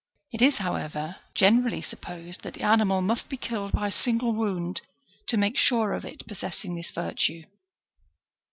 It is, however, generally supposed that the animal must be killed by a single wound to make sure of it possessing this virtue.